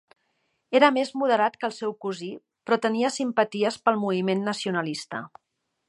Era més moderat que el seu cosí però tenia simpaties pel moviment nacionalista.